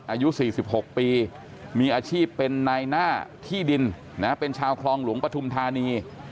อายุ๔๖ปีมีอาชีพเป็นนายหน้าที่ดินเป็นชาวคลองหลวงปฐุมธานี